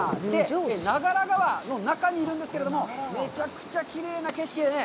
長良川の中にいるんですけれども、めちゃくちゃきれいですね。